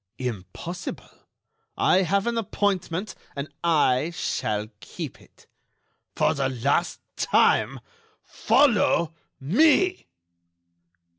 "Impossible; I have an appointment and I shall keep it." "For the last time—follow me!"